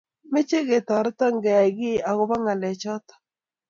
meche ketoreto keyay giiy agoba ngalechoto